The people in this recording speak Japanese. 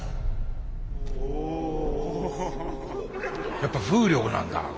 やっぱ風力なんだ。